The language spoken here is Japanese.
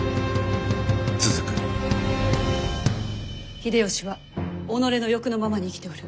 秀吉は己の欲のままに生きておる。